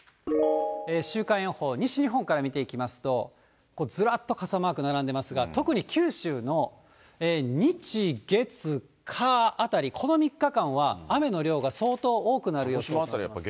週間予報、西日本から見ていきますと、ずらっと傘マーク並んでますが、特に九州の日、月、火あたり、この３日間は雨の量が相当多くなる予想です。